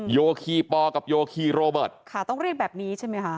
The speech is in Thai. โยคีปอกับโยคีโรเบิร์ตค่ะต้องเรียกแบบนี้ใช่ไหมคะ